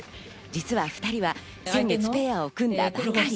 実は２人は先月ペアを組んだばかり。